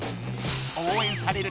応援される